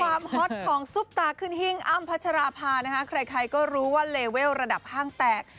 ฮอตของซุปตาขึ้นหิ้งอ้ำพัชราภานะคะใครใครก็รู้ว่าเลเวลระดับห้างแตก